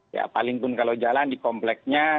jadi paling pun kalau jalan di kompleksnya